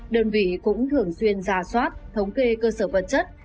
đơn vị cũng thường xuyên ra soát thống kê cơ sở vật chất